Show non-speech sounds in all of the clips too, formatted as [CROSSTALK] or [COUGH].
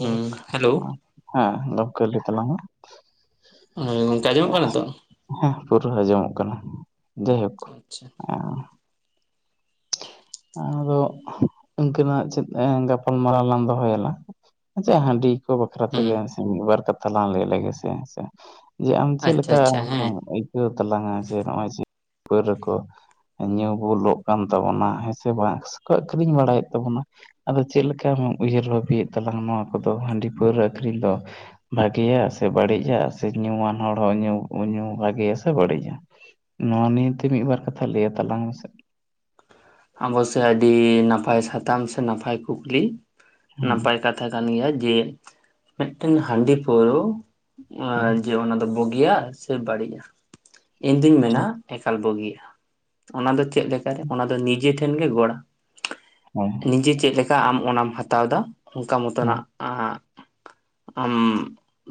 ᱦᱩᱸ ᱦᱮᱞᱳ ᱦᱮᱸ ᱜᱚᱝᱠᱮ ᱞᱟᱹᱭ ᱛᱟᱞᱟᱝ ᱢᱮ? ᱦᱳᱭ ᱜᱚᱝᱠᱮ ᱟᱸᱡᱚᱢᱚᱜ ᱠᱟᱱᱟ ᱛᱚ? ᱦᱮᱸ ᱯᱩᱨᱟᱹ ᱟᱸᱡᱚᱢᱚᱜ ᱠᱟᱱᱟ ᱡᱟᱭᱦᱳᱠ ᱟᱪᱪᱷᱟ ᱦᱮᱸ ᱾ ᱝᱠᱟᱱᱟᱜ ᱪᱮᱫ ᱜᱟᱯᱟᱞ ᱢᱟᱨᱟᱣ ᱞᱟᱝ ᱫᱚᱦᱚᱭᱟᱞᱟᱝ ᱟᱪᱪᱷᱟ ᱦᱟᱺᱰᱤ ᱠᱚ ᱵᱟᱠᱷᱨᱟ ᱛᱮᱜᱮ ᱦᱩᱸ ᱾ ᱢᱤᱫᱵᱟᱨ ᱠᱟᱛᱷᱟ ᱞᱟᱝ ᱞᱟᱹᱭ ᱞᱮᱜᱮ ᱥᱮ ᱦᱮᱸ ᱥᱮ ᱡᱮ ᱟᱢ ᱪᱮᱫ ᱟᱪᱪᱷᱟ ᱞᱮᱠᱟ? ᱟᱪᱪᱷᱟ ᱦᱮᱸ ᱛᱟᱞᱟᱝ-ᱟ ᱡᱮ ᱱᱚᱜᱼᱚᱭ ᱡᱮ ᱯᱟᱣᱨᱟᱹ ᱠᱚ ᱧᱩ ᱵᱩᱞᱚᱜ ᱠᱟᱱ ᱛᱟᱵᱚᱱᱟ? ᱥᱮ ᱟᱹᱠᱷᱨᱤᱧ ᱵᱟᱲᱟᱭᱮᱫ ᱛᱟᱵᱚᱱᱟ ᱾ ᱟᱫᱚ ᱪᱮᱫ ᱞᱮᱠᱟᱢ ᱩᱭᱦᱟᱹᱨ ᱵᱷᱟᱵᱤᱭᱮᱫ ᱛᱟᱞᱟᱝ-ᱟ ᱱᱚᱣᱟ ᱦᱟᱺᱰᱤ ᱯᱟᱹᱣᱨᱟᱹ ᱟᱹᱠᱷᱨᱤᱧ ᱫᱚ? ᱵᱷᱟᱜᱮᱭᱟ ᱥᱮ ᱵᱟᱹᱲᱤᱡ ᱟ ᱥᱮ ᱧᱩᱭᱟᱱ ᱦᱚᱲ ᱦᱚᱸ ᱧᱩ ᱧᱩ ᱵᱷᱟᱜᱮᱭᱟ ᱥᱮ ᱵᱟᱹᱲᱤᱡᱼᱟ? ᱱᱚᱣᱟ ᱱᱤᱭᱮᱹᱛᱮ ᱢᱤᱫ ᱵᱟᱨ ᱠᱟᱛᱷᱟ ᱞᱟᱹᱭᱟ ᱛᱟᱞᱟᱝ ᱢᱮᱥᱮ? ᱟᱫᱚ ᱥᱮ ᱟᱹᱰᱤ ᱱᱟᱯᱟᱭ ᱥᱟᱛᱟᱢ ᱥᱮ ᱱᱟᱯᱟᱭ ᱠᱩᱠᱞᱤ ᱦᱩᱸ ᱱᱟᱯᱟᱭ ᱠᱟᱛ ᱛᱟ ᱠᱟᱱ ᱜᱮᱭᱟ ᱡᱮ ᱢᱤᱫᱴᱟᱝ ᱦᱟᱺᱰᱤ ᱯᱟᱹᱣᱨᱟᱹ ᱦᱩᱸ ᱡᱮ ᱚᱱᱟ ᱫᱚ ᱵᱩ ᱤᱭᱟ ᱥᱮ ᱵᱟᱹᱲᱤᱡᱼᱟ ᱤᱧ ᱫᱩᱧ ᱢᱮᱱᱟ ᱮᱠᱟᱞ ᱵᱩᱜᱤᱼᱟ ᱚᱱᱟ ᱫᱚ ᱪᱮᱫ ᱞᱮᱠᱟᱨᱮ ᱚᱱᱟ ᱫᱚ ᱱᱤᱡᱮ ᱴᱷᱮᱱ ᱜᱮ ᱜᱚᱲᱟ ᱦᱮᱸ ᱱᱤᱡᱮ ᱪᱮᱫ ᱞᱮᱠᱟᱢ ᱚᱱᱟᱢ ᱚᱱᱟ ᱮᱢ ᱦᱟᱛᱟᱣᱫᱟ ᱾ ᱚᱱᱠᱟ ᱦᱮᱸ ᱢᱚᱛᱚᱱᱟᱜ ᱟᱢ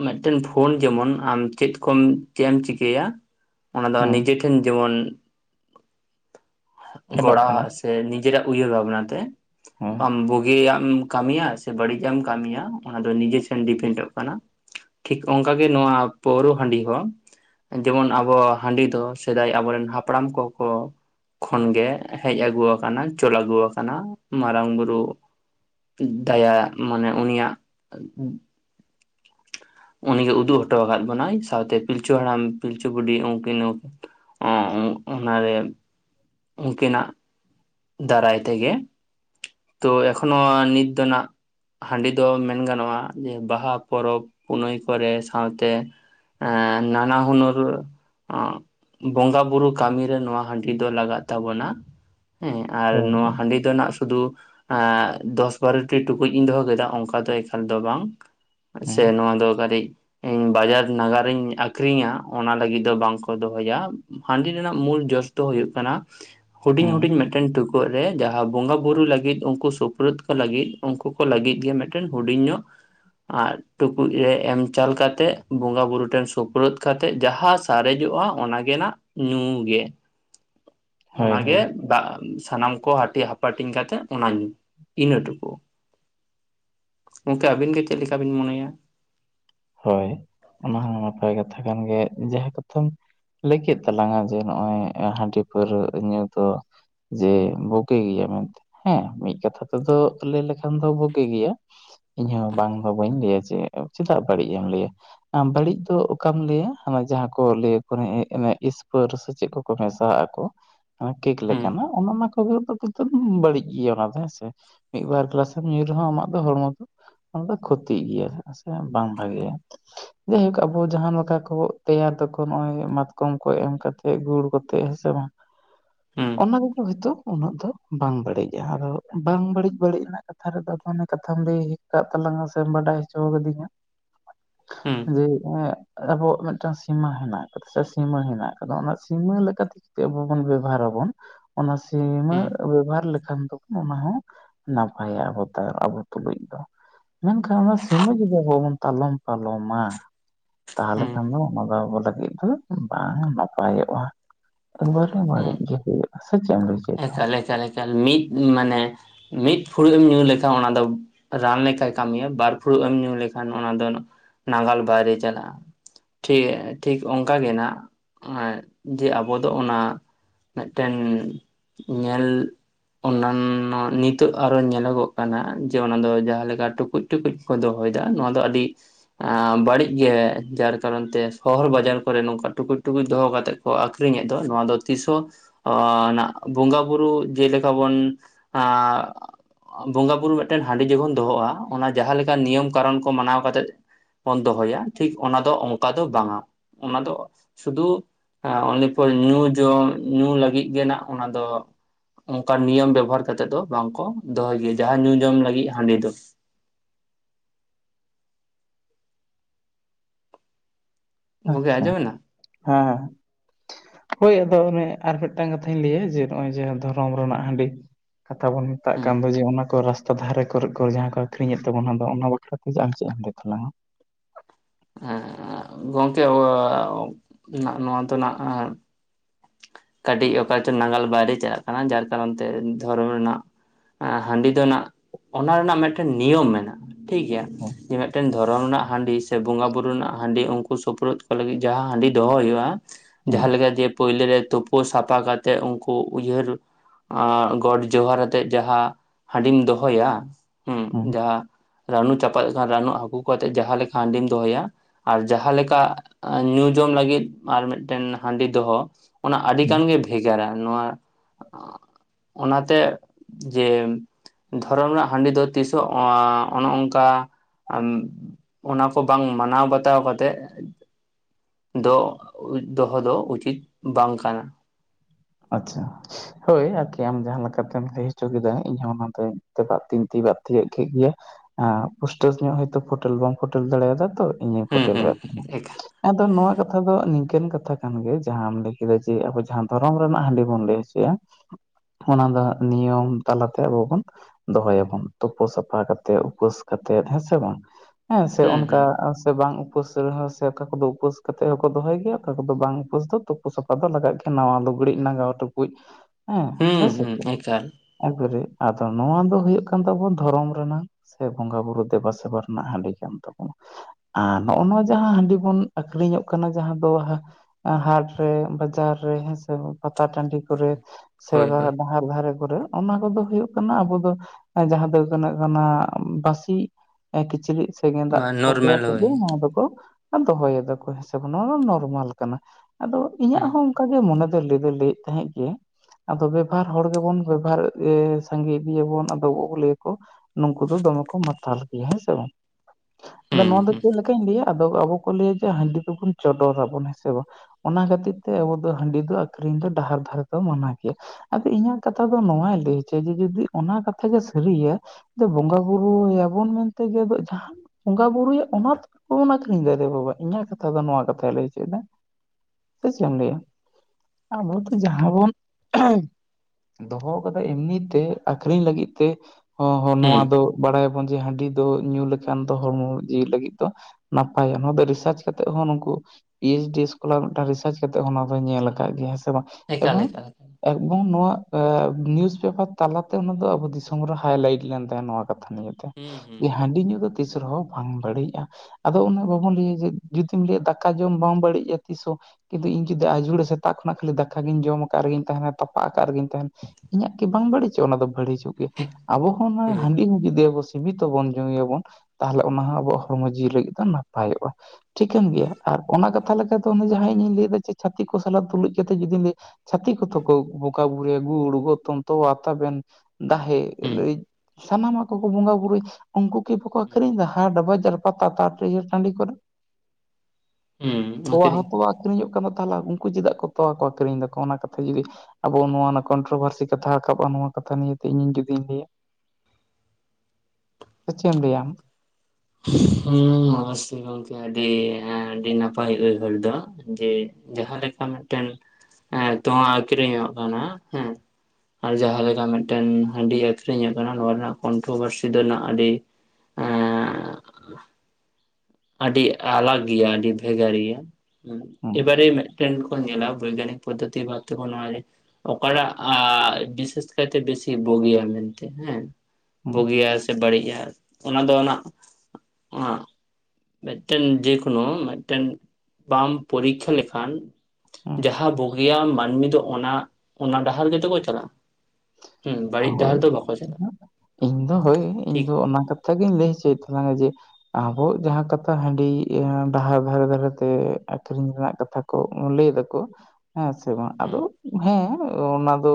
ᱢᱤᱫᱴᱮᱱ ᱯᱷᱳᱱ ᱡᱮᱢᱚᱱ ᱟᱢ ᱪᱮᱫ ᱠᱚᱢ ᱪᱮᱫ ᱪᱤᱠᱟᱹᱭᱟ ᱾ ᱚᱱᱟ ᱫᱚ ᱦᱮᱸ ᱱᱤᱡᱮᱴᱷᱮᱱ ᱡᱮᱢᱚᱱ ᱯᱷᱮᱰᱚᱜ ᱜᱚᱲᱟ ᱠᱟᱱᱟ ᱥᱮ ᱱᱤᱡᱮᱨᱟᱜ ᱩᱭᱦᱟᱹᱨ ᱵᱷᱟᱵᱱᱟ ᱛᱮ ᱦᱮᱸ ᱟᱢ ᱵᱩᱜᱤᱭᱟᱢ ᱠᱟᱹᱢᱤᱭᱟ ᱥᱮ ᱵᱟᱹᱲᱤᱡᱟᱜ ᱮᱢ ᱠᱟᱹᱢᱤᱭᱟ ᱚᱱᱟ ᱫᱚ ᱱᱤᱡᱮ ᱴᱷᱮᱱ ᱰᱤᱯᱮᱱᱰᱚᱜ ᱠᱟᱱᱟ ᱾ ᱴᱷᱤᱠ ᱚᱱᱠᱟ ᱜᱮ ᱱᱚᱣᱟ ᱯᱟᱹᱣᱨᱟᱹ ᱦᱟᱺᱰᱤ ᱦᱚᱸ ᱾ ᱡᱮᱢᱚᱱ ᱟᱵᱚ ᱦᱟᱺᱰᱤ ᱫᱚ ᱥᱮᱫᱟᱭ ᱟᱵᱚᱨᱮᱱ ᱦᱟᱯᱲᱟᱢ ᱠᱚᱠᱚ ᱠᱷᱚᱱ ᱜᱮ ᱦᱮᱡ ᱟᱹᱜᱩ ᱟᱠᱟᱱᱟ ᱪᱚᱞ ᱟᱹᱜᱩ ᱟᱠᱟᱱᱟ ᱢᱟᱨᱟᱝ ᱵᱩᱨᱩ ᱾ ᱫᱟᱭᱟ ᱢᱟᱱᱮ ᱩᱱᱤᱭᱟᱜ ᱩᱱᱤᱜᱮ ᱩᱫᱩᱜ ᱦᱚᱴᱚ ᱟᱠᱟᱫ ᱵᱚᱱᱟᱭ ᱥᱟᱶᱛᱮ ᱯᱤᱞᱪᱩ ᱦᱟᱲᱟᱢ ᱯᱤᱞᱪᱩ ᱵᱩᱰᱷᱤ ᱩᱱᱠᱤᱱ [INAUDIBLE] ᱩᱱᱠᱤ ᱱᱟᱜ ᱫᱟᱨᱟᱭ ᱛᱮᱜᱮ ᱛᱚ ᱮᱠᱷᱚᱱᱳ ᱱᱤᱛ ᱫᱚ ᱱᱟᱜ ᱦᱟᱹᱰᱤ ᱫᱚ ᱢᱮᱱ ᱜᱟᱱᱚᱜᱼᱟ ᱡᱮ ᱵᱟᱦᱟ ᱯᱚᱨᱚᱵᱽ ᱯᱩᱱᱟᱹᱭ ᱠᱚᱨᱮ ᱥᱟᱶᱛᱮ ᱮᱸ ᱱᱟᱱᱟ ᱦᱩᱱᱟᱹᱨ ᱟᱸ ᱵᱚᱸᱜᱟ ᱵᱩᱨᱩ ᱠᱟᱹᱢᱤᱨᱮ ᱱᱚᱣᱟ ᱦᱟᱹᱰᱤ ᱫᱚ ᱞᱟᱜᱟ ᱛᱟᱵᱚᱱᱟ᱾ ᱦᱮᱸ ᱟᱨ ᱦᱳᱭ ᱱᱚᱣᱟ ᱦᱟᱹᱰᱤ ᱫᱚᱱᱟᱜ ᱥᱩᱫᱩ ᱮ ᱫᱚᱥ ᱵᱟᱨᱚᱴᱤ ᱴᱩᱠᱩᱡ ᱤᱧ ᱫᱚᱦᱚ ᱠᱮᱫᱟ ᱚᱱᱠᱟ ᱫᱚ ᱮᱠᱟᱞ ᱫᱚ ᱵᱟᱝ᱾ ᱦᱩᱸ ᱥᱮ ᱱᱚᱣᱟ ᱫᱚ ᱠᱟᱹᱴᱤᱡ ᱤᱧ ᱵᱟᱡᱟᱨ ᱱᱟᱜᱟᱨᱤᱧ ᱟᱠᱷᱨᱤᱧᱟ ᱚᱱᱟ ᱞᱟᱹᱜᱤᱫ ᱫᱚ ᱵᱟᱝᱠᱚ ᱫᱚᱦᱚᱭᱟ ᱾ ᱦᱟᱹᱰᱤ ᱨᱮᱱᱟᱜ ᱢᱩᱞ ᱡᱚᱥ ᱫᱚ ᱦᱩᱭᱩᱜ ᱠᱟᱱᱟ ᱦᱩᱰᱤᱧ ᱦᱩᱸ ᱦᱩᱰᱤᱧ ᱢᱤᱫ ᱢᱤᱫ ᱴᱮᱱ ᱴᱩᱠᱩᱡ ᱨᱮ ᱡᱟᱦᱟᱸ ᱵᱚᱸᱜᱟ ᱵᱩᱨᱩ ᱞᱟᱹᱜᱤᱫ ᱩᱱᱠᱩ ᱥᱩᱯᱩᱨᱫ ᱠᱚ ᱞᱟᱹᱜᱤᱫ ᱩᱱᱠᱩ ᱠᱚ ᱞᱟᱹᱜᱤᱫ ᱜᱮ ᱢᱤᱫ ᱢᱤᱫᱴᱮᱱ ᱦᱩᱰᱤᱧ ᱧᱚᱜ ᱟᱨ ᱴᱩᱠᱩᱡ ᱨᱮ ᱮᱢ ᱪᱟᱞ ᱠᱟᱛᱮᱫ ᱵᱚᱸᱜᱟ ᱵᱩᱨᱩ ᱴᱷᱮᱱ ᱥᱳᱯᱨᱳᱫ ᱠᱟᱛᱮᱫ ᱡᱟᱦᱟᱸ ᱥᱟᱨᱮᱡᱚᱜᱼᱟ ᱚᱱᱚ ᱜᱮ ᱱᱟᱜ ᱧᱩ ᱜᱮ [UNINTELLIGIBLE] ᱦᱳᱭ ᱚᱱᱟᱜᱮ ᱫᱟᱜ ᱥᱟᱱᱟᱢ ᱠᱚ ᱦᱟᱹᱴᱤ ᱦᱟᱯᱟᱴᱤᱧ ᱠᱟᱛᱮᱜ ᱚᱱᱟᱜᱮ ᱤᱱᱟᱹ ᱴᱩᱠᱩ ᱾ ᱜᱚᱝᱠᱮ ᱟᱵᱤᱱᱜᱮ ᱪᱮᱫ ᱞᱮᱠᱟ ᱵᱤᱱ ᱢᱚᱱᱮᱭᱟ? ᱦᱳᱭ ᱚᱱᱟ ᱦᱚᱸ ᱱᱟᱯᱟᱭ ᱠᱟᱛᱷᱟ ᱠᱟᱱ ᱜᱮᱭᱟ, ᱡᱟᱦᱟᱸ ᱠᱚᱛᱷᱟᱢ ᱞᱟᱹᱭ ᱠᱮᱫ ᱛᱟᱞᱟᱝᱟ ᱡᱮ ᱱᱚᱜᱼᱚᱭ ᱦᱟᱹᱰᱤ ᱯᱟᱹᱣᱨᱟᱹ ᱧᱩ ᱫᱚ ᱡᱮ ᱵᱩᱜᱤ ᱜᱮᱭᱟ ᱢᱮᱱᱛᱮ ᱦᱮᱸ ᱢᱤᱫ ᱠᱟᱛᱷᱟ ᱛᱮᱫᱚ ᱞᱟᱹᱭ ᱞᱮᱠᱷᱟᱱ ᱫᱚ ᱵᱷᱩᱜᱤ ᱜᱮᱭᱟ᱾ ᱤᱧᱦᱚᱸ ᱵᱟᱝ ᱫᱚ ᱵᱟᱹᱧ ᱞᱟᱹᱭᱟ ᱡᱮ ᱪᱮᱫᱟᱜ ᱵᱟᱹᱲᱤᱡ ᱮᱢ ᱞᱟᱹᱭᱟ᱾ ᱵᱟᱹᱲᱤᱡ ᱫᱚ ᱚᱠᱟᱢ ᱞᱟᱹᱭᱟ ᱦᱟᱱᱟ ᱡᱟᱦᱟᱸ ᱠᱚ ᱞᱟᱹᱭᱟ ᱤᱥ ᱯᱟᱹᱣᱨᱟᱹ ᱥᱮ ᱪᱮᱫ ᱠᱚ ᱟᱠᱚ ᱢᱮᱥᱟ ᱟᱠᱚ ᱠᱮᱠ ᱦᱩᱸ ᱞᱮᱠᱟᱱᱟᱜ ᱚᱱᱮ ᱚᱱᱟ ᱠᱚᱫᱚ ᱵᱟᱹᱲᱤᱡ ᱜᱮᱭᱟ ᱚᱱᱟ ᱫᱚ ᱦᱮᱸ ᱥᱮ᱾ ᱢᱤᱫ ᱵᱟᱨ ᱜᱮᱞᱟᱥᱮᱢ ᱧᱩᱭ ᱨᱮᱦᱚᱸ ᱟᱢᱟᱜ ᱫᱚ ᱦᱚᱲᱢᱚ ᱫᱚ ᱚᱱᱟ ᱫᱚ ᱠᱷᱚᱛᱤᱜ ᱜᱮᱭᱟ ᱥᱮ ᱵᱟᱝ᱾ ᱵᱷᱟᱜᱮᱭᱟ ᱾ ᱡᱟᱭᱦᱳᱠ ᱟᱵᱚ ᱡᱟᱦᱟᱸ ᱞᱮᱠᱟ ᱠᱚ ᱛᱮᱭᱟᱨ ᱫᱟᱠᱚ ᱱᱚᱜᱚᱭ ᱢᱟᱛᱠᱚᱢ ᱠᱚ ᱮᱢ ᱠᱟᱛᱮᱜ ᱜᱩᱲ ᱠᱟᱛᱮᱜ ᱦᱮᱸᱥᱮ ᱵᱟᱝ [UNINTELLIGIBLE] ᱦᱩᱸ ᱚᱱᱟ ᱠᱚ ᱦᱳᱭᱛᱳ ᱩᱱᱟᱹᱜ ᱫᱚ ᱵᱟᱝ ᱵᱟᱹᱲᱤᱡᱼᱟ ᱟᱫᱚ ᱵᱟᱝ ᱵᱟᱹᱲᱤᱡ ᱵᱟᱹᱲᱤᱡ ᱨᱮᱱᱟ ᱠᱟᱛᱷᱟ ᱟᱨ ᱠᱟᱛᱷᱟ ᱨᱮᱫᱚ ᱚᱱᱮ ᱠᱟᱛᱷᱟᱢ ᱞᱟᱹᱭ ᱦᱟᱠᱟᱫ ᱛᱟᱞᱟᱝᱟ ᱥᱮᱢ ᱵᱟᱰᱟᱭ ᱦᱚᱪᱚ ᱟᱠᱟᱫᱤᱧᱟ ᱦᱩᱸ ᱡᱮ ᱟᱵᱚᱣᱟᱜ ᱢᱤᱫᱴᱟᱝ ᱥᱤᱢᱟᱹ ᱦᱮᱱᱟᱜ ᱟᱠᱟᱫᱟ ᱥᱮ ᱥᱤᱢᱟᱹ ᱦᱮᱱᱟᱜ ᱟᱠᱟᱫᱟ ᱚᱱᱟ ᱥᱤᱢᱟᱹ ᱞᱮᱠᱟᱛᱮ ᱟᱵᱚ ᱵᱚᱱ ᱵᱮᱵᱷᱦᱟᱨ ᱟᱵᱚᱱ ᱚᱱᱟ ᱥᱤᱢᱟᱹ ᱦᱩᱸ ᱵᱮᱵᱚᱦᱟᱨ ᱞᱮᱠᱷᱟᱱ ᱫᱚᱵᱚᱱ ᱚᱱᱟ ᱦᱚᱸ ᱱᱟᱯᱟᱭᱟ ᱟᱵᱚ ᱟᱵᱚ ᱛᱩᱞᱩᱡ ᱫᱚ ᱢᱮᱱᱠᱷᱟᱱ ᱚᱱᱟ ᱥᱤᱢᱟᱹ ᱡᱩᱫᱤ ᱵᱟᱵᱚᱱ ᱛᱟᱞᱚᱢ ᱯᱟᱞᱚᱢᱟ ᱛᱟᱦᱚᱞᱮ ᱦᱩᱸ ᱠᱷᱟᱱ ᱫᱚ ᱚᱱᱟ ᱫᱚ ᱟᱵᱚ ᱞᱟᱹᱜᱤᱫ ᱫᱚ ᱵᱟᱝ ᱱᱟᱯᱟᱭᱚᱜᱼᱟ ᱮᱠᱵᱟᱨᱮ ᱦᱩᱸ ᱵᱟᱹᱲᱤᱡ ᱜᱮ ᱦᱩᱭᱩᱜᱼᱟ ᱥᱮ ᱪᱮᱫ ᱮᱢ ᱞᱟᱹᱭᱟ? ᱮᱠᱟᱞ ᱮᱠᱟᱞ ᱮᱠᱟᱞ ᱢᱤᱫ ᱢᱟᱱᱮ ᱢᱤᱫ ᱯᱷᱩᱲᱩᱜ ᱮᱢ ᱧᱩ ᱞᱮᱠᱷᱟᱱ ᱚᱱᱟ ᱫᱚ ᱨᱟᱱ ᱞᱮᱠᱟᱭ ᱠᱟᱹᱢᱤᱭᱟ ᱵᱟᱨ ᱯᱷᱩᱲᱩᱜ ᱮᱢ ᱧᱩ ᱞᱮᱠᱷᱟᱱ ᱚᱱᱟ ᱫᱚ ᱱᱟᱜᱟᱞ ᱵᱟᱭᱨᱮᱭ ᱪᱟᱞᱟᱜᱼᱟ ᱾ ᱴᱷᱤᱠ ᱴᱷᱤᱠ ᱚᱱᱠᱟ ᱜᱮ ᱱᱟᱜ ᱮ ᱡᱮ ᱟᱵᱚ ᱫᱚ ᱚᱱᱟ ᱢᱤᱫᱴᱮᱱ ᱧᱮᱞ ᱚᱱᱱᱟᱱᱚ ᱱᱤᱛᱚᱜ ᱟᱨᱚ ᱧᱮᱞᱚᱜᱚᱜ ᱠᱟᱱᱟ ᱡᱮ ᱚᱱᱟ ᱫᱚ ᱡᱟᱦᱟᱸᱮᱠᱟ ᱴᱩᱠᱩᱡ ᱞᱩᱠᱩᱡ ᱠᱚ ᱫᱚᱦᱚᱭᱮᱫᱟ ᱱᱚᱣᱟ ᱫᱚ ᱟᱹᱰᱤ ᱮ ᱵᱟᱹᱲᱤᱡ ᱜᱮ ᱡᱟᱨ ᱠᱟᱨᱚᱱ ᱛᱮ ᱥᱚᱦᱚᱨ ᱵᱟᱡᱟᱨ ᱠᱚᱨᱮ ᱱᱚᱝᱠᱟ ᱴᱩᱠᱩᱡ ᱴᱩᱠᱩᱡ ᱫᱚᱦᱚ ᱠᱟᱛᱮᱫ ᱠᱚ ᱟᱹᱠᱷᱨᱤᱧ ᱮᱫ ᱫᱚ ᱱᱚᱣᱟ ᱫᱚ ᱛᱤᱥ ᱦᱚᱸ ᱦᱚᱸ ᱱᱟᱜ ᱵᱚᱸᱜᱟ ᱵᱩᱨᱩ ᱡᱮᱞᱮᱠᱟ ᱵᱚᱱ ᱵᱚᱸᱜᱟ ᱵᱩᱨᱩ ᱢᱤᱫᱴᱮᱱ ᱦᱟᱸᱰᱤ ᱡᱚᱠᱷᱚᱱ ᱫᱚᱦᱚᱜ-ᱟ ᱚᱱᱟ ᱡᱟᱦᱟ ᱞᱮᱠᱟ ᱱᱤᱭᱚᱢ ᱠᱟᱨᱚᱱ ᱠᱚ ᱢᱟᱱᱟᱣ ᱠᱟᱛᱮᱫ᱾ ᱵᱚᱱ ᱫᱚᱦᱚᱭᱟ ᱴᱷᱤᱠ ᱚᱱᱟ ᱫᱚ ᱚᱱᱠᱟ ᱫᱚ ᱵᱟᱝ-ᱟ ᱾ ᱚᱱᱟ ᱫᱚ ᱥᱩᱫᱷᱩ ᱚᱱᱞᱤᱯᱚᱨ ᱧᱩ ᱡᱚᱝ ᱧᱩ ᱞᱟᱹᱜᱤᱫ ᱜᱮ ᱱᱟᱜ᱾ ᱚᱱᱟ ᱫᱚ ᱚᱱᱠᱟᱱ ᱱᱤᱭᱚᱢ ᱵᱮᱵᱚᱦᱟᱨ ᱠᱟᱛᱮᱜ ᱫᱚ ᱵᱟᱝ ᱠᱚ ᱫᱚᱦᱚᱭ ᱜᱮᱭᱟ᱾ ᱡᱟᱦᱟ ᱧᱩ ᱡᱚᱝ ᱞᱟᱹᱜᱤᱫ ᱦᱟᱸᱰᱤ ᱫᱚ᱾ ᱜᱚᱝᱠᱮ ᱟᱪᱪᱷᱟ ᱟᱸᱡᱚᱢᱮᱱᱟ ᱦᱮᱸ᱾ ᱦᱳᱭ ᱟᱫᱚ ᱚᱱᱮ ᱟᱨ ᱢᱤᱫᱴᱟᱱ ᱠᱟᱛᱷᱟᱧ ᱞᱟᱹᱭ-ᱟ ᱡᱮ ᱱᱚᱸᱜ-ᱚᱭ ᱡᱮ ᱫᱷᱚᱨᱚᱢ ᱨᱮᱱᱟᱜ ᱦᱟᱸᱰᱤ ᱠᱟᱛᱷᱟ ᱵᱚᱱ ᱢᱮᱛᱟᱜ ᱦᱮᱸ ᱠᱟᱱ ᱫᱚ ᱡᱮ ᱚᱱᱟ ᱠᱚ ᱨᱟᱥ ᱛᱟ ᱫᱷᱟᱨᱮ ᱠᱚᱨᱮ ᱠᱚ ᱡᱟᱦᱟ ᱠᱚ ᱟᱹᱠᱷᱨᱤᱧ ᱮᱫ ᱛᱟᱵᱚᱱᱟ ᱟᱫᱚ ᱚᱱᱟ ᱵᱟᱠᱷᱨᱟ ᱛᱮ ᱜᱮ ᱟᱢ ᱪᱮᱫ ᱮᱢ ᱞᱟᱹᱭ ᱛᱟᱞᱟᱝᱟ? ᱦᱮᱸ ᱜᱚᱝᱠᱮ ᱱᱚᱣᱟ ᱫᱚ ᱱᱟᱜ ᱠᱟᱹᱴᱤᱡ ᱚᱠᱟ ᱪᱚ ᱱᱟᱜᱟᱞ ᱵᱟᱭᱨᱮ ᱪᱟᱞᱟᱜ ᱠᱟᱱᱟ ᱡᱟᱨ ᱠᱟᱨᱚᱱ ᱛᱮ ᱫᱷᱚᱨᱚᱢ ᱨᱮᱱᱟᱜ ᱦᱟᱸᱰᱤ ᱫᱚ ᱱᱟᱜ ᱚᱱᱟ ᱨᱮᱱᱟᱜ ᱢᱤᱫᱴᱮᱱ ᱱᱤᱭᱚᱢ ᱢᱮᱱᱟᱜ-ᱟ᱾ ᱴᱷᱤᱠ ᱜᱮᱭᱟ ᱦᱩᱸ ᱡᱮ ᱢᱤᱫᱴᱮᱱ ᱫᱷᱚᱨᱚᱢ ᱨᱮᱱᱟᱜ ᱦᱟᱸᱰᱤ ᱥᱮ ᱵᱚᱸᱜᱟ ᱵᱩᱨᱩ ᱨᱮᱱᱟᱜ ᱦᱟᱸᱰᱤ ᱩᱱᱠᱩ ᱥᱳᱯᱨᱳᱫ ᱠᱚ ᱞᱟᱹᱜᱤᱫ ᱡᱟᱦᱟ ᱦᱟᱸᱰᱤ ᱫᱚᱦᱚ ᱦᱩᱸ ᱦᱳᱭᱳᱜ-ᱟ᱾ᱡᱟᱦᱟ ᱞᱮᱠᱟ ᱡᱮ ᱯᱳᱭᱞᱳ ᱨᱮ ᱛᱳᱯᱳ ᱥᱟᱯᱷᱟ ᱠᱟᱛᱮᱫ ᱩᱱᱠᱩ ᱩᱭᱦᱟᱹᱨ ᱟᱨ ᱜᱚᱸᱰᱽ ᱡᱚᱸᱦᱟᱨ ᱟᱛᱮᱜ ᱡᱟᱦᱟ ᱦᱟᱸᱰᱤᱢ ᱫᱚᱦᱚᱭᱟ ᱦᱮᱸ ᱦᱩᱸ ᱡᱟᱦᱟ ᱨᱟᱹᱱᱩ ᱪᱟᱯᱟᱫ ᱞᱮᱠᱷᱟᱱ ᱨᱟᱹᱱᱩ ᱟᱹᱜᱩ ᱠᱟᱛᱮᱫ ᱡᱟᱦᱟ ᱞᱮᱠᱟ ᱦᱟᱸᱰᱤᱢ ᱫᱚᱦᱚᱭᱟ᱾ ᱟᱨ ᱡᱟᱦᱟ ᱞᱮᱠᱟ ᱧᱩ ᱡᱚᱝ ᱞᱟᱹᱜᱤᱫ ᱟᱨ ᱢᱤᱫᱴᱮᱱ ᱦᱟᱸᱰᱤ ᱫᱚᱦᱚ᱾ ᱚᱱᱟ ᱟᱹᱰᱤ ᱜᱟᱱ ᱜᱮ ᱵᱷᱮᱜᱟᱨᱟ ᱱᱚᱣᱟ᱾ ᱚᱱᱟ ᱛᱮ ᱡᱮ ᱫᱷᱚᱨᱚᱢ ᱨᱮᱱᱟᱜ ᱦᱟᱸᱰᱤ ᱫᱚ ᱛᱤᱥ ᱦᱚᱸ ᱚᱱᱮ ᱚᱱᱠᱟ ᱟᱢ ᱚᱱᱟ ᱠᱚ ᱵᱟᱝ ᱢᱟᱱᱟᱣ ᱵᱟᱛᱟᱣ ᱠᱟᱛᱮᱜ ᱫᱚ ᱫᱚᱦᱚ ᱫᱚ ᱩᱪᱤᱛ ᱵᱟᱝ ᱠᱟᱱᱟ᱾ ᱟᱪᱪᱷᱟ᱾ ᱦᱳᱭ ᱟᱨᱠᱤ ᱟᱢ ᱡᱟᱦᱟ ᱞᱮᱠᱟᱛᱮᱢ ᱞᱟᱹᱭ ᱦᱚᱪᱚ ᱠᱮᱫᱟ ᱤᱧᱦᱚᱸ ᱚᱱᱟ ᱫᱚ ᱵᱟᱜ ᱛᱤᱧ ᱛᱚᱵᱟᱜ ᱛᱤᱭᱳᱜ ᱠᱮᱫ ᱜᱮᱭᱟ᱾ ᱦᱚᱸ ᱯᱩᱥᱴᱟᱹᱣ ᱥᱟᱹᱦᱤᱡ ᱦᱚᱭ ᱛᱚ ᱯᱷᱚᱴᱮᱞ ᱵᱟᱢ ᱯᱷᱚᱴᱮᱞ ᱫᱟᱲᱮ ᱟᱫᱟ ᱛᱚ ᱤᱧ ᱤᱧ ᱦᱩᱸ ᱯᱷᱚᱴᱮᱞ ᱦᱩᱸ ᱠᱟᱜ ᱠᱟᱱᱟ᱾ ᱮᱠᱟᱞ ᱟᱫᱚ ᱱᱚᱣᱟ ᱠᱟᱛᱷᱟ ᱫᱚ ᱱᱤᱝᱠᱟᱹᱱ ᱠᱟᱛᱷᱟ ᱠᱟᱱ ᱜᱮ ᱡᱟᱦᱟ ᱟᱢ ᱞᱟᱹᱭ ᱠᱮᱫᱟ ᱡᱮ ᱟᱵᱚ ᱡᱟᱦᱟ ᱫᱚ ᱫᱷᱚᱨᱚᱢ ᱨᱮᱱᱟᱜ ᱦᱟᱸᱰᱤ ᱵᱚᱱ ᱞᱟᱹᱭ ᱦᱚᱪᱚᱭᱟ ᱚᱱᱟ ᱫᱚ ᱱᱤᱭᱚᱢ ᱛᱟᱞᱟ ᱛᱮ ᱟᱵᱚ ᱵᱚᱱ ᱫᱚᱦᱚᱭ ᱟᱵᱚᱱ ᱛᱳᱯᱳ ᱥᱟᱯᱷᱟ ᱠᱟᱛᱮᱜ ᱩᱯᱟᱹᱥ ᱠᱟᱛᱮᱫ ᱦᱮᱸ ᱥᱮ ᱵᱟᱝ ᱦᱮᱸ ᱥᱮ ᱦᱩᱸ ᱚᱱᱠᱟ ᱦᱩᱸ ᱥᱮ ᱵᱟᱝ ᱩᱯᱟᱹᱥ ᱨᱮᱦᱚᱸ ᱥᱮ ᱚᱠᱟ ᱠᱚᱫᱚ ᱩᱯᱟᱹᱥ ᱠᱟᱛᱮᱫ ᱦᱚᱸᱠᱚ ᱫᱚᱦᱚᱭ ᱜᱮᱭᱟ᱾ ᱚᱠᱟ ᱠᱚᱫᱚ ᱵᱟᱝ ᱩᱯᱟᱹᱥ ᱫᱚ ᱛᱳ ᱯᱳ ᱥᱟᱯᱷᱟ ᱫᱚ ᱞᱟᱜᱟᱜ ᱜᱮᱭᱟ ᱱᱟᱣᱟ ᱞᱩᱜᱽᱲᱤᱡ ᱱᱟᱜᱟᱣ ᱴᱩᱠᱩᱡ ᱦᱮᱸ, ᱦᱩᱸ ᱦᱮᱸ ᱥᱮ ᱦᱩᱸ ᱪᱮᱫ? ᱮᱠᱟᱞ ᱮᱠᱵᱟᱨᱮ ᱟᱫᱚ ᱱᱚᱣᱟ ᱫᱚ ᱦᱳᱭᱳᱜ ᱠᱟᱱ ᱛᱟᱵᱚᱱᱟ ᱫᱷᱚᱨᱚᱢ ᱨᱮᱱᱟᱜ᱾ ᱥᱮ ᱵᱚᱸᱜᱟ ᱵᱩᱨᱩ ᱫᱮᱵᱟ ᱥᱮᱵᱟ ᱨᱮᱱᱟᱜ ᱦᱟᱸᱰᱤ ᱠᱟᱱ ᱛᱟᱵᱚᱱᱟ᱾ ᱟᱨ ᱱᱚᱸᱜ-ᱚ ᱱᱚᱣᱟ ᱡᱟᱦᱟ ᱦᱟᱸᱰᱤ ᱵᱚᱱ ᱟᱹᱠᱷᱨᱤᱧᱚᱜ ᱠᱟᱱᱟ ᱡᱟᱦᱟ ᱫᱚ ᱦᱟᱴ ᱨᱮ ᱵᱟᱡᱟᱨ ᱨᱮ ᱦᱮᱸ ᱥᱮ ᱯᱟᱛᱟ ᱴᱟᱸᱰᱤ ᱠᱚᱨᱮ ᱥᱮ ᱦᱳᱭ ᱰᱷᱟᱨ ᱦᱳᱭ ᱫᱷᱟᱨᱮ ᱠᱚᱨᱮ ᱚᱱᱟ ᱠᱚᱫᱚ ᱦᱳᱭᱳᱜ ᱠᱟᱱᱟ᱾ ᱟᱵᱚ ᱫᱚ ᱡᱟᱦᱟ ᱫᱚ ᱦᱳᱭᱳᱜ ᱠᱟᱱᱟ ᱵᱟᱹᱥᱤ ᱠᱤᱪᱨᱤᱡᱽ ᱥᱮ ᱥᱮᱸ ᱜᱮᱫᱟᱜ ᱠᱚᱛᱮ ᱱᱚᱨᱢᱮᱞ ᱟᱛᱮᱜ ᱦᱳᱭ ᱜᱮ ᱱᱚᱣᱟ ᱫᱚᱠᱚ ᱫᱚᱦᱚᱭ ᱫᱟᱠᱚ ᱦᱮᱸ ᱥᱮ ᱵᱟᱝ ᱱᱚᱣᱟ ᱫᱚ ᱱᱚᱨᱢᱟᱞ ᱠᱟᱱᱟ᱾ ᱟᱫᱚ ᱤᱧᱟᱹᱜ ᱦᱩᱸ ᱦᱚᱸ ᱚᱱᱠᱟᱜᱮ ᱢᱚᱱᱮ ᱫᱚ ᱞᱟᱹᱭ ᱫᱚᱭ ᱞᱟᱹᱭ ᱮᱜ ᱛᱟᱦᱮᱸᱫ ᱜᱮ᱾ ᱟᱫᱚ ᱵᱮᱵᱟᱨ ᱦᱚᱲ ᱜᱮ ᱵᱚᱱ ᱵᱮᱵᱷᱟᱨ ᱮᱫ ᱜᱮ ᱥᱟᱸᱜᱮ ᱤᱫᱤᱭ ᱟᱵᱚᱱ ᱟᱫᱚ ᱞᱟᱹᱭ ᱟᱠᱚ ᱱᱩᱠᱩ ᱫᱚ ᱫᱚᱢᱮ ᱠᱚ ᱢᱟᱛᱟᱞ ᱜᱮᱭᱟ ᱦᱮᱸ ᱥᱮ ᱵᱟᱝ᱾ ᱟᱫᱚ ᱦᱩᱸ ᱱᱚᱣᱟ ᱫᱚ ᱦᱩᱸ ᱪᱮᱫ ᱪᱮᱫ ᱠᱟᱹᱧ ᱞᱟᱹᱭ-ᱟ ᱟᱫᱚ ᱟᱵᱚ ᱠᱚ ᱞᱟᱹᱭ-ᱟ ᱡᱮ ᱦᱟᱸᱰᱤ ᱫᱚ ᱵᱚᱱ ᱪᱚᱰᱚᱨᱟ ᱵᱚᱱ ᱦᱮᱸ ᱥᱮ ᱵᱟᱝ? ᱚᱱᱟ ᱠᱷᱟᱹᱛᱤᱨ ᱛᱮ ᱟᱵᱚ ᱫᱚ ᱦᱟᱸᱰᱤ ᱫᱚ ᱟᱹᱠᱷᱨᱤᱧ ᱫᱚ ᱰᱟᱦᱟᱨ ᱫᱷᱟᱨᱮ ᱫᱚ ᱢᱟᱱᱟ ᱜᱮᱭᱟ᱾ ᱟᱫᱚ ᱤᱧᱟᱹᱜ ᱠᱟᱛᱷᱟ ᱫᱚ ᱱᱚᱣᱟᱭ ᱞᱟᱹᱭ ᱦᱚᱪᱚ ᱡᱮ ᱡᱩᱫᱤ ᱚᱱᱟ ᱠᱟᱛᱷᱟ ᱜᱮ ᱥᱟᱹᱨᱤᱭᱟ ᱵᱚᱸᱜᱟ ᱵᱩᱨᱩᱭ ᱟᱵᱚᱱ ᱢᱮᱱ ᱛᱮᱜᱮ ᱟᱫᱚ ᱡᱟᱦᱟᱱ ᱵᱚᱸᱜᱟ ᱵᱩᱨᱩᱭᱟ ᱚᱱᱟ ᱛᱮᱵᱚᱱ ᱟᱹᱠᱷᱨᱤᱧ ᱮᱫᱟ ᱫᱮ ᱵᱟᱵᱟ ᱤᱧᱟᱹᱜ ᱠᱟᱛᱷᱟ ᱫᱚ ᱱᱚᱣᱟ ᱠᱟᱛᱷᱟᱭ ᱞᱟᱹᱭ ᱦᱚᱪᱚᱭ ᱮᱫᱟ᱾ ᱥᱮ ᱪᱮᱫ ᱮᱢ ᱞᱟᱹᱭᱟ? ᱟᱵᱚ ᱛᱚ ᱡᱟᱦᱟᱸ ᱵᱚᱱ ᱫᱚᱦᱚ ᱠᱟᱫᱟ ᱮᱢᱱᱤ ᱛᱮ ᱟᱹᱠᱷᱨᱤᱧ ᱞᱟᱹᱜᱤᱫ ᱛᱮ᱾ ᱚ ᱦᱚᱸ ᱦᱩᱸ ᱱᱚᱣᱟ ᱫᱚ ᱵᱟᱲᱟᱭ ᱟᱵᱚᱱ ᱡᱮ ᱦᱟᱺᱰᱤ ᱫᱚ ᱧᱩ ᱞᱮᱠᱷᱟᱱ ᱫᱚ ᱦᱚᱲᱢᱚ ᱡᱤᱣᱤ ᱞᱟᱹᱜᱤᱫ ᱫᱚ ᱱᱟᱯᱟᱭᱟ᱾ ᱱᱚᱣᱟ ᱫᱚ ᱨᱤᱥᱟᱨᱪ ᱠᱟᱛᱮᱫ ᱦᱚᱸ ᱱᱩᱠᱩ ᱯᱤ ᱮᱭᱤᱪ ᱰᱤ ᱮᱠᱞᱟ ᱢᱤᱫᱴᱟᱝ ᱨᱤᱥᱟᱨᱪ ᱠᱟᱛᱮᱫ ᱦᱚᱸ ᱚᱱᱟ ᱫᱚ ᱧᱮᱞ ᱟᱠᱟᱫ ᱜᱮᱭᱟ ᱦᱮᱸ ᱥᱮ ᱵᱟᱝ? ᱮᱠᱟᱞ ᱮᱵᱚᱝ ᱮᱠᱟᱞ ᱦᱩᱸ ᱮᱵᱚᱝ ᱱᱚᱣᱟ ᱱᱤᱭᱩᱡ ᱯᱮᱯᱟᱨ ᱛᱟᱞᱟᱛᱮ ᱚᱱᱟ ᱫᱚ ᱟᱵᱚ ᱫᱤᱥᱚᱢ ᱨᱮ ᱦᱟᱭᱞᱟᱭᱤᱴ ᱞᱮᱱ ᱛᱟᱦᱮᱸ ᱱᱚᱣᱟ ᱠᱟᱛᱷᱟ ᱱᱤᱭ᱾ ᱦᱩᱸ ᱡᱮ ᱦᱩᱸ ᱦᱟᱺᱰᱤ ᱧᱩ ᱫᱚ ᱛᱤᱥ ᱨᱮᱦᱚᱸ ᱵᱟᱝ ᱵᱟᱹᱲᱤᱡᱤᱡ-ᱟ᱾ ᱟᱫᱚ ᱚᱱᱟ ᱵᱟᱵᱚᱱ ᱞᱟᱹᱭᱟ ᱡᱮ ᱡᱩᱫᱤᱢ ᱞᱟᱹᱭᱟ ᱫᱟᱠᱟ ᱡᱚᱢ ᱵᱟᱝ ᱵᱟᱹᱲᱤᱡ-ᱟ ᱛᱤᱥ ᱦᱚᱸ᱾ ᱠᱤᱱᱛᱩ ᱤᱧ ᱡᱩᱫᱤ ᱟᱡᱷᱩᱲᱟᱹ ᱥᱮᱛᱟᱜ ᱱᱟᱜ ᱠᱷᱟᱹᱞᱤ ᱫᱟᱠᱟ ᱜᱤᱧ ᱡᱚᱢ ᱟᱠᱟᱫ ᱨᱮᱜᱤ ᱛᱟᱦᱮᱱᱟ ᱛᱟᱯᱟ ᱟᱠᱟᱫ ᱨᱮᱜᱤᱧ ᱛᱟᱦᱮᱱ, ᱤᱧᱟᱹᱜ ᱠᱤ ᱵᱟᱝ ᱵᱟᱹᱲᱤᱡᱚᱜ-ᱟ ᱚᱱᱟ ᱫᱚ ᱵᱟᱹᱲᱤᱡᱚᱜ-ᱟ᱾ ᱟᱵᱚ ᱦᱚᱸ ᱱᱚᱣᱟ ᱦᱟᱺᱰᱤ ᱦᱚᱸ ᱡᱩᱫᱤ ᱟᱵᱚᱥ ᱡᱤᱵᱤᱛ ᱛᱚ ᱵᱚᱱ ᱧᱩᱭ ᱟᱵᱚᱱ ᱛᱟᱦᱚᱞᱮ ᱚᱱᱟ ᱦᱚᱸ ᱟᱵᱚᱣᱟᱜ ᱦᱚᱲᱢᱚ ᱡᱤᱶᱤ ᱞᱟᱹᱜᱤᱫ ᱫᱚ ᱱᱟᱯᱟᱭᱚᱜ-ᱟ᱾ ᱴᱷᱤᱠᱟᱹᱱ ᱜᱮᱭᱟ ᱟᱨ ᱚᱱᱟ ᱠᱟᱛᱷᱟ ᱞᱮᱠᱟᱛᱮ ᱚᱱᱟ ᱡᱟᱦᱟᱸᱭ ᱤᱧ ᱞᱟᱹᱭᱟ ᱡᱮ ᱪᱷᱟᱹᱛᱤᱠ ᱠᱚ ᱥᱟᱞᱟᱜ ᱛᱩᱞᱩᱡ ᱪᱤᱠᱛᱮ ᱡᱩᱫᱤ ᱪᱷᱟᱹᱛᱤᱠ ᱦᱚᱸ ᱛᱚᱠᱚ ᱵᱚᱸᱜᱟ ᱵᱩᱨᱩᱭᱟ ᱜᱩᱲ, ᱜᱚᱛᱚᱱ, ᱛᱚᱣᱟ, ᱛᱟᱵᱮᱱ, ᱫᱟᱦᱮ ᱦᱩᱸ ᱞᱟᱹᱭ ᱥᱟᱱᱟᱢ ᱟᱜ ᱠᱚ ᱠᱚ ᱵᱚᱸᱜᱟ ᱵᱩᱨᱩᱭ ᱩᱱᱠᱩ ᱠᱤ ᱵᱟᱠᱚ ᱟᱹᱠᱷᱨᱤᱧ ᱫᱟ᱾ ᱦᱟᱴ, ᱵᱟᱡᱟᱨ, ᱯᱟᱛᱟ-ᱛᱟ ᱴᱤᱭᱟᱹ ᱴᱟᱺᱰᱤ ᱠᱚᱨᱮ᱾ ᱦᱩᱸ ᱛᱚᱣᱟ ᱦᱩᱸ ᱦᱚᱸ ᱛᱚᱣᱟ ᱟᱹᱠᱷᱨᱤᱧᱚᱜ ᱠᱟᱱᱟ ᱛᱟᱦᱚᱞᱮ ᱟᱵᱚ ᱩᱱᱠᱩ ᱪᱮᱫᱟᱜ ᱠᱚ ᱛᱚᱣᱟ ᱠᱚ ᱟᱹᱠᱷᱤᱨᱤᱧ ᱫᱟᱠᱚ ᱚᱱᱟ ᱠᱟᱛᱷᱟ ᱡᱩᱫᱤ ᱟᱵᱚ ᱱᱚᱣᱟ ᱚᱱᱟ ᱠᱚᱱᱴᱨ ᱵᱷᱟᱨᱥᱤ ᱠᱟᱛᱷᱟ ᱨᱟᱠᱟᱵ ᱱᱚᱣᱟ ᱠᱟᱛᱷᱟ ᱱᱤᱭᱮ ᱛᱮ ᱤᱧ ᱤᱧ ᱡᱩᱫᱤᱧ ᱞᱟᱹᱭᱟ᱾ ᱥᱮ ᱪᱮ ᱮᱢ ᱞᱟᱹᱭᱟ ᱟᱢ? ᱦᱮᱸ ᱚᱵᱚᱥᱳᱭ ᱜᱚᱝᱠᱮ ᱟᱹᱰᱤ ᱟᱹᱰᱤ ᱱᱟᱯᱟᱭ ᱩᱭᱦᱟᱹᱨ ᱫᱚ᱾ ᱡᱮ ᱡᱟᱦᱟᱸ ᱞᱮᱠᱟ ᱢᱮᱫᱴᱮᱱ ᱛᱚᱣᱟ ᱟᱹᱠᱷᱤᱨᱤᱧ-ᱚᱜ ᱠᱟᱱᱟ ᱦᱮᱸ᱾ ᱟᱨ ᱡᱟᱦᱟᱸ ᱞᱮᱠᱟ ᱢᱮᱫᱴᱮᱱ ᱦᱟᱺᱰᱤ ᱟᱹᱠᱷᱤᱨᱤᱧ ᱚᱜ ᱠᱟᱱᱟ ᱱᱚᱣᱟ ᱨᱮᱱᱟᱜ ᱠᱚᱱᱴᱨ ᱵᱷᱟᱹᱨᱥᱤ ᱫᱚ ᱨᱮᱱᱟᱜ ᱟᱹᱰᱤ ᱮᱸ [INAUDIBLE] ᱟᱹᱰᱤ ᱟᱞᱟᱜ ᱜᱮᱭᱟ ᱟᱹᱰᱤ ᱵᱷᱮᱜᱟᱨ ᱜᱮᱭᱟ᱾ ᱦᱩᱸ ᱮᱵᱟᱨᱮ ᱢᱤᱫᱴᱮᱱ ᱠᱚ ᱧᱮᱞᱟ ᱵᱳᱭᱜᱟᱱᱤᱠ ᱯᱚᱫᱷᱚᱛᱤ ᱵᱟ ᱛᱮᱠᱚ ᱱᱚᱣᱟ ᱨᱮ ᱚᱠᱟᱨᱟᱜ ᱟᱸ ᱵᱤᱥᱮᱥ ᱠᱟᱭᱛᱮ ᱵᱮᱥᱤ ᱵᱩᱜᱤᱭᱟ ᱢᱮᱱᱛᱮ ᱦᱮᱸ᱾ ᱦᱩᱸ ᱵᱩᱜᱤᱭᱟ ᱥᱮ ᱵᱟᱹᱲᱤᱡ-ᱟ᱾ ᱚᱱᱟ ᱫᱚ ᱚᱱᱟ ᱢᱮᱫᱴᱮᱱ ᱡᱮ ᱠᱳᱱᱳ ᱢᱮᱫᱴᱮᱱ ᱵᱟᱢ ᱯᱚᱨᱤᱠᱠᱷᱟ ᱞᱮᱠᱷᱟᱱ ᱦᱩᱸ ᱡᱟᱦᱟᱸ ᱵᱷᱟᱹᱭᱟ ᱢᱟᱹᱱᱢᱤ ᱫᱚ ᱚᱱᱟ ᱚᱱᱟ ᱜᱮᱛᱚ ᱠᱚ ᱪᱟᱞᱟᱜ-ᱟ᱾ ᱦᱩᱸ ᱵᱟᱹᱲᱤᱡ ᱦᱳᱭ ᱰᱟᱦᱟᱨ ᱫᱚ ᱵᱟᱠᱚ ᱪᱟᱞᱟᱜ-ᱟ᱾ ᱤᱧ ᱫᱚ ᱦᱳᱭ, ᱤᱧ ᱫᱚ ᱚᱱᱟ ᱠᱟᱛᱷᱟ ᱜᱤᱧ ᱞᱟᱹᱭ ᱦᱚᱪᱚᱭ ᱮᱫ ᱛᱟᱞᱟᱝᱟ ᱡᱮ ᱟᱵᱚ ᱡᱟᱦᱟᱸ ᱠᱟᱛᱷᱟ ᱦᱟᱺᱰᱤ ᱰᱟᱦᱟᱨ ᱫᱷᱟᱨᱮ ᱫᱷᱟᱨᱮ ᱛᱮ ᱟᱹᱠᱷᱨᱤᱧ ᱨᱮᱱᱟᱜ ᱠᱟᱛᱷᱟ ᱠᱚ ᱢᱩᱞᱮ ᱠᱚ᱾ ᱦᱮᱸ ᱥᱮ ᱵᱟᱝ ᱦᱩᱸ ᱟᱫᱚ ᱦᱮᱸ ᱚᱱᱟ ᱫᱚ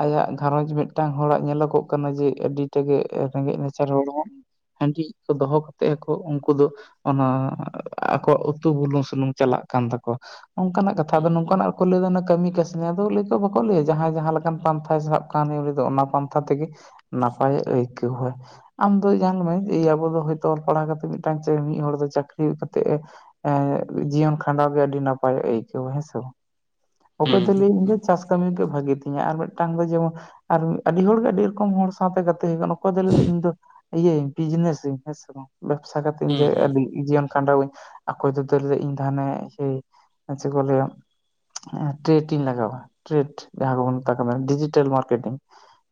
ᱟᱭᱟᱜ ᱜᱷᱟᱨᱚᱸᱡᱽ ᱢᱤᱫ- ᱴᱟᱝ ᱦᱚᱲᱟᱜ ᱧᱮᱞᱚᱜ-ᱚᱜ ᱠᱟᱱᱟ ᱡᱮ ᱟᱹᱰᱤᱴᱟ ᱜᱮ ᱨᱮᱸᱜᱮᱡ ᱱᱟᱪᱟᱨ ᱦᱚᱲ ᱦᱚᱸ᱾ ᱦᱟᱺᱰᱤ ᱠᱚ ᱫᱚᱦᱚ ᱠᱟᱛᱮᱜ ᱟᱠᱚ ᱩᱱᱠᱩ ᱫᱚ ᱚᱱᱟ ᱟᱠᱚᱣ ᱟᱜ ᱩᱛᱩ, ᱵᱩᱞᱩᱝ, ᱥᱩᱱᱩᱢ ᱪᱟᱞᱟᱜ ᱠᱟᱱ ᱛᱟᱠᱚ᱾ ᱚᱝᱠᱟ ᱱᱟᱜ ᱠᱟᱛᱷᱟ ᱦᱩᱸ ᱟᱫᱚ ᱱᱚᱝᱠᱟ ᱱᱟᱜ ᱨᱮᱠᱚ ᱞᱟᱹᱭ ᱮᱫᱟ ᱚᱱᱟ ᱠᱟᱹᱢᱤ-ᱠᱟᱹᱥᱱᱤ ᱟᱫᱚ ᱞᱟᱹᱭ ᱠᱚ ᱵᱟᱠᱚ ᱞᱟᱹᱭᱟ ᱡᱟᱦᱟᱸᱭ ᱡᱟᱦᱟᱸ ᱞᱮᱠᱟᱱ ᱯᱟᱱᱛᱷᱟᱭ ᱥᱟᱵ ᱠᱟᱱ [UNINTELLIGIBLE] ᱛᱚ ᱚᱱᱟ ᱯᱟᱱᱛᱷᱟ ᱛᱮᱜᱮ ᱱᱟᱯᱟᱭ ᱮ ᱟᱹᱭᱠᱟᱹᱣ-ᱟ᱾ ᱟᱢ ᱫᱚ ᱧᱟᱞ ᱢᱮ ᱡᱮ ᱟᱵᱚ ᱫᱚ ᱦᱳᱭ ᱛᱚ ᱚᱞ ᱯᱟᱲᱦᱟᱣ ᱠᱟᱛᱮ ᱢᱤᱫᱴᱟᱝ ᱪᱟᱲ ᱢᱤᱫ ᱦᱚᱲ ᱫᱚ ᱪᱟᱹᱠᱨᱤ ᱠᱟᱛᱮᱜ ᱮ ᱮ ᱡᱤᱭᱚᱱ ᱠᱷᱟᱸᱰᱟᱣ ᱜᱮ ᱟᱹᱰᱤ ᱱᱟᱯᱟᱭᱮ ᱟᱹᱭᱠᱟᱹᱣᱟ ᱦᱮᱸᱥᱮ ᱵᱟ? ᱚᱠᱚᱭ ᱦᱩᱸ ᱫᱚ ᱞᱟᱹᱭᱟ ᱤᱧ ᱫᱚ ᱪᱟᱥ ᱠᱟᱹᱢᱤᱜᱮ ᱵᱷᱟᱜᱮ ᱛᱤᱧᱟᱹ ᱟᱨ ᱢᱤᱫᱴᱟᱝ ᱫᱚ ᱡᱮᱢᱚᱱ ᱟᱨ ᱟᱹᱰᱤ ᱦᱚᱲᱜᱮ ᱟᱹᱰᱤ ᱨᱚᱠᱚᱢ ᱦᱚᱲ ᱥᱟᱶᱛᱮ ᱜᱟᱛᱮᱭ ᱠᱟᱱᱟ ᱚᱠᱚᱭ ᱫᱚᱭ ᱞᱟᱹᱭ ᱫᱟ ᱤᱧ ᱫᱚ ᱤᱭᱟᱹᱧ ᱵᱤᱡᱽᱱᱮᱥᱤᱧ ᱦᱮᱸ ᱥᱮ ᱵᱟᱝ, ᱵᱮᱵᱽᱥᱟ ᱠᱟᱛᱮ ᱤᱧ ᱦᱩᱸ ᱡᱮ ᱦᱩᱸ ᱟᱹᱰᱤ ᱡᱤᱭᱚᱱ ᱠᱷᱟᱸᱰᱟᱣ ᱟᱹᱧ। ᱚᱠᱚᱭ ᱫᱚ ᱛᱟᱦᱚᱞᱮ ᱤᱧᱫᱚ ᱦᱟᱱᱮ ᱦᱮᱸ ᱪᱮᱫ ᱠᱚ ᱞᱟᱹᱭᱟ ᱴᱨᱮᱴ ᱤᱧ ᱞᱟᱜᱟᱣᱟ ᱴᱨᱮᱴ ᱡᱟᱦᱟᱸ ᱠᱚᱵᱚᱱ ᱢᱮᱛᱟᱜ ᱠᱟᱱᱟ ᱰᱤᱡᱤᱴᱮᱞ ᱢᱟᱨᱠᱮᱴᱤᱝ ᱾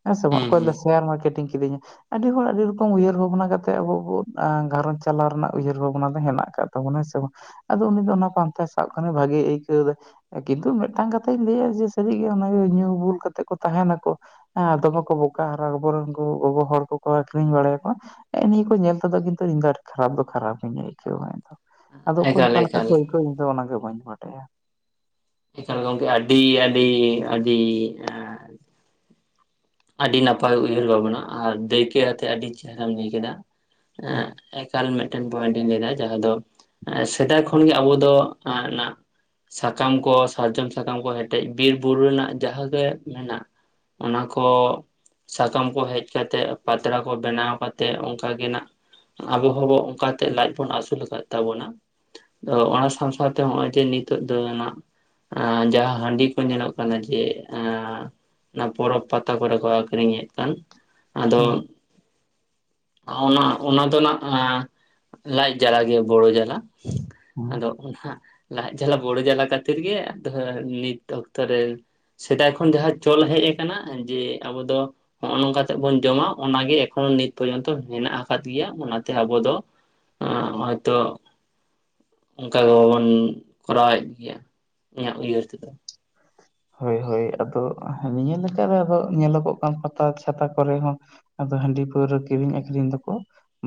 ᱦᱮᱸ ᱥᱮ ᱵᱟᱝ ᱦᱩᱸ ᱚᱠᱚᱭ ᱦᱩᱸ ᱞᱮᱭᱫᱟ ᱥᱮᱭᱟᱨ ᱢᱟᱨᱠᱮᱴᱤᱝ ᱠᱤᱨᱤᱧᱟ। ᱟᱹᱰᱤ ᱦᱚᱲ ᱟᱹᱰᱤ ᱨᱚᱠᱚᱢ ᱩᱭᱦᱟᱹᱨ ᱵᱷᱟᱵᱱᱟ ᱠᱟᱛᱮᱫ ᱟᱵᱚ ᱵᱚᱱ ᱜᱷᱟᱸᱨᱚᱸᱡᱽ ᱪᱟᱞᱟᱣ ᱨᱮᱱᱟᱜ ᱩᱭᱦᱟᱹᱨ ᱵᱷᱟᱵᱱᱟ ᱫᱚ ᱦᱮᱱᱟᱜ ᱟᱠᱟᱫ ᱛᱟᱵᱚᱱᱟ ᱦᱮᱸ ᱥᱮ ᱵᱟᱝ! ᱟᱫᱚ ᱩᱱᱤ ᱫᱚ ᱚᱱᱟ ᱯᱟᱱᱛᱮ ᱥᱟᱵ ᱠᱷᱟᱱ ᱮ ᱵᱷᱟᱜᱤᱭ ᱟᱹᱭᱠᱟᱹᱣ ᱫᱟᱭ ᱾ ᱠᱤᱱᱛᱩ ᱢᱤᱫᱴᱟᱝ ᱠᱟᱛᱷᱟᱧ ᱞᱮᱭᱟ ᱡᱮ ᱥᱟᱹᱨᱤᱜᱮ ᱚᱱᱟᱜᱮ ᱧᱩ ᱵᱩᱞ ᱠᱟᱛᱮᱜ ᱠᱚ ᱛᱟᱦᱮᱱᱟᱠᱚ। ᱦᱮᱸ ᱫᱚᱢᱮ ᱠᱚ ᱵᱚᱠᱟ ᱟᱨ ᱟᱵᱚᱨᱮᱱ ᱜᱚᱜᱚ ᱦᱚᱲ ᱠᱚᱠᱚ ᱟᱠᱷᱨᱤᱧ ᱵᱟᱲᱟᱭᱟᱠᱚ। ᱦᱮᱸᱜ ᱱᱤᱭᱟᱹ ᱠᱚ ᱧᱮᱞ ᱛᱮᱫᱚ ᱠᱤᱱᱛᱩ ᱤᱧ ᱫᱚ ᱟᱰᱤ ᱠᱷᱟᱨᱟᱯ ᱫᱚ ᱠᱷᱟᱨᱟᱯᱤᱧ ᱟᱹᱭᱠᱟᱹᱣᱟ ᱤᱧ ᱫᱚ ᱾ ᱟᱫᱚ ᱚᱠᱚᱭ ᱮᱠᱟᱞ ᱚᱠᱟ ᱞᱮᱠᱟ ᱮᱠᱟᱞ ᱠᱚ ᱟᱹᱭᱠᱟᱹᱣᱟ ᱤᱧ ᱫᱚ ᱚᱱᱟᱜ ᱵᱟᱹᱧ ᱵᱟᱰᱟᱭᱟ। ᱮᱠᱟᱞ ᱜᱚᱝᱠᱮ ᱟᱰᱤ ᱟᱰᱤ ᱟᱰᱤ ᱮᱸ ᱟᱰᱤ ᱱᱟᱯᱟᱭ ᱩᱭᱦᱟᱹᱨ ᱵᱷᱟᱵᱚᱱᱟ ᱟᱨ ᱫᱟᱹᱭᱠᱟᱹ ᱟᱹᱛᱮᱜ ᱟᱹᱰᱤ ᱪᱮᱦᱚᱨᱟᱢ ᱞᱟᱹᱭ ᱠᱮᱫᱟ। ᱦᱩᱸ ᱮᱠᱟᱞ ᱢᱤᱫᱴᱮᱱ ᱯᱚᱭᱮᱱᱴᱤᱝ ᱞᱮᱭᱫᱟ ᱡᱟᱦᱟᱸ ᱫᱚ ᱥᱮᱫᱟᱭ ᱠᱷᱚᱱᱜᱮ ᱟᱵᱚ ᱫᱚ ᱮ ᱱᱟᱜ ᱥᱟᱠᱟᱢ ᱠᱚ ᱥᱟᱨᱡᱚᱢ ᱥᱟᱠᱟᱢ ᱠᱚ ᱦᱮᱴᱮᱡ ᱵᱤᱨᱵᱩᱨᱩ ᱨᱮᱱᱟᱜ ᱡᱟᱦᱟᱸᱜᱮ ᱢᱮᱱᱟᱜ ᱚᱱᱟ ᱠᱚ ᱥᱟᱠᱟᱢ ᱠᱚ ᱦᱮᱡ ᱠᱟᱛᱮᱫ ᱯᱟᱛᱲᱟ ᱠᱚ ᱵᱮᱱᱟᱣ ᱠᱟᱛᱮᱫ ᱚᱝᱠᱟ ᱜᱮ ᱱᱟᱜ ᱟᱵᱚ ᱦᱚᱸ ᱠᱚ ᱚᱝᱠᱟᱛᱮᱜ ᱞᱟᱡ ᱵᱚᱱ ᱟᱹᱥᱩᱞ ᱟᱠᱟᱫ ᱛᱟᱵᱚᱱᱟ। ᱟᱫᱚ ᱚᱱᱟ ᱥᱟᱶ ᱥᱟᱶᱛᱮ ᱦᱚᱜᱼᱚᱭ ᱡᱮ ᱱᱤᱛᱚᱜ ᱫᱚ ᱱᱟᱜ ᱮ ᱡᱟᱦᱟᱸ ᱦᱟᱺᱰᱤ ᱠᱚ ᱧᱮᱞᱚᱜ ᱠᱟᱱᱟ ᱡᱮ ᱮᱸᱻ ᱚᱱᱟ ᱯᱚᱨᱚᱵᱽ ᱯᱟᱛᱟ ᱠᱚᱨᱮ ᱠᱚ ᱟᱠᱷᱨᱤᱧᱮᱫ ᱠᱟᱱ ᱟᱫᱚ ᱦᱩᱸ ᱚᱱᱟ ᱚᱱᱟ ᱫᱚ ᱱᱟᱜ ᱞᱟᱡ ᱡᱟᱞᱟ ᱜᱮ ᱵᱚᱲᱚ ᱡᱟᱞᱟ, ᱦᱩᱸ ᱟᱫᱚ ᱚᱱᱟ ᱞᱟᱡ ᱡᱟᱞᱟ ᱵᱚᱲᱚ ᱡᱟᱞᱟ ᱠᱷᱟᱹᱛᱤᱨ ᱜᱮ ᱟᱫᱚ ᱱᱤᱛ ᱚᱠᱛᱚ ᱨᱮ ᱥᱮᱫᱟᱭ ᱠᱷᱚᱱ ᱡᱟᱦᱟᱸ ᱪᱚᱞ ᱦᱮᱡ ᱠᱟᱱᱟ ᱡᱮ ᱟᱵᱚ ᱫᱚ ᱦᱚᱜᱼᱚ ᱱᱚᱝᱠᱟ ᱠᱟᱛᱮᱜ ᱵᱚᱱ ᱡᱚᱢᱟ ᱚᱱᱟᱜᱮ ᱮᱠᱷᱚᱱᱳ ᱱᱤᱛ ᱯᱚᱨᱡᱚᱱᱛᱚ ᱦᱮᱱᱟᱜ ᱟᱠᱟᱫ ᱜᱮᱭᱟ ᱚᱱᱟᱛᱮ ᱟᱵᱚ ᱫᱚ ᱮᱸ ᱦᱚᱭᱛᱳ ᱚᱝᱠᱟ ᱜᱮᱵᱚᱱ ᱠᱚᱨᱟᱣᱮᱫ ᱜᱮᱭᱟ। ᱤᱧᱟᱜ ᱩᱭᱦᱟᱨ ᱛᱮᱫᱚ। ᱦᱳᱭ ᱦᱳᱭ ᱟᱫᱚ ᱱᱤᱭᱟᱹ ᱞᱮᱠᱟ ᱨᱮ ᱟᱫᱚ ᱧᱮᱞᱚᱜᱚᱜ ᱠᱟᱱᱟ ᱯᱟᱛᱟ ᱪᱷᱟᱛᱟ ᱠᱚᱨᱮ ᱦᱚᱸ ᱟᱫᱚ ᱦᱟᱺᱰᱤ ᱯᱟᱹᱣᱨᱟᱹ ᱠᱤᱨᱤᱧ ᱟᱠᱷᱨᱤᱧ ᱫᱚᱠᱚ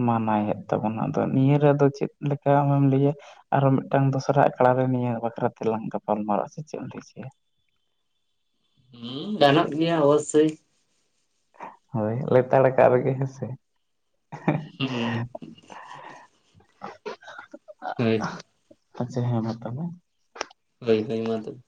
ᱢᱟᱱᱟᱣᱭᱮᱫ ᱛᱟᱵᱚᱱᱟ ᱟᱫᱚ ᱱᱤᱭᱟᱹ ᱨᱮ ᱟᱫᱚ ᱪᱮᱫ ᱞᱮᱠᱟ ᱟᱢᱮᱢ ᱞᱟᱹᱭᱟ? ᱟᱨᱚ ᱢᱤᱫᱴᱟᱝ ᱫᱚᱥᱨᱟ ᱟᱠᱷᱲᱟ ᱨᱮ ᱱᱤᱭᱟᱹ ᱵᱟᱠᱷᱨᱟ ᱛᱮᱞᱟᱝ ᱜᱟᱯᱟᱞ ᱢᱟᱨᱟᱜᱼᱟ ᱥᱮ ᱪᱮᱫ ᱮᱢ ᱞᱟᱹᱭ ᱪᱚᱭᱟ? ᱦᱮᱸ ᱜᱟᱱᱚᱜ ᱜᱮᱭᱟ ᱚᱵᱚᱥᱥᱳᱭ ᱾ ᱦᱳᱭ ᱞᱮᱛᱟᱲᱠᱟᱜ ᱨᱮᱜᱮ ᱦᱮᱸᱥᱮ? ᱦᱩᱸ ᱦᱳᱭ ᱟᱪᱪᱷᱟ ᱦᱮᱸ ᱢᱟ ᱛᱟᱞᱦᱮ ᱾ ᱦᱳᱭ ᱦᱳᱭ ᱢᱟ ᱛᱚᱵᱮ ᱾